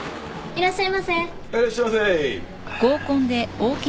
いらっしゃいませ！